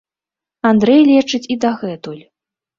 Андрэй лечыць і дагэтуль.